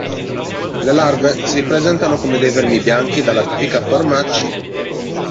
Le larve si presentano come dei vermi bianchi dalla tipica forma a "C".